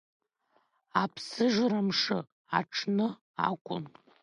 Аԥсыжрамш аҽны акәын.